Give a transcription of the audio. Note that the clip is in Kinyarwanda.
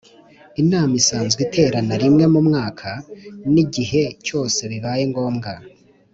Inama isanzwe iterana rimwe mu mwaka n’igihe cyose bibaye ngombwa